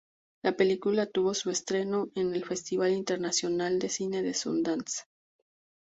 La película tuvo su estreno en el Festival Internacional de Cine de Sundance.